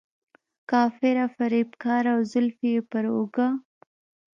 کافره، فریب کاره او زلفې یې پر اوږه.